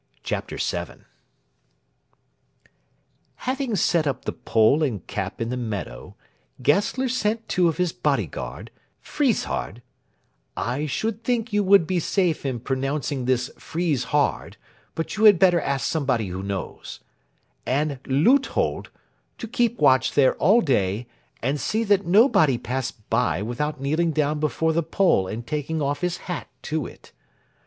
CHAPTER VII Having set up the pole and cap in the meadow, Gessler sent two of his bodyguard, Friesshardt (I should think you would be safe in pronouncing this Freeze hard, but you had better ask somebody who knows) and Leuthold, to keep watch there all day, and see that nobody passed by without kneeling down before the pole and taking off his hat to it.